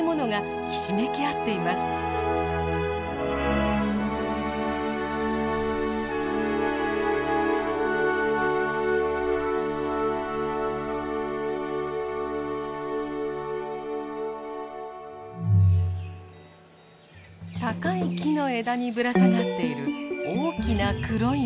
高い木の枝にぶら下がっている大きな黒いもの。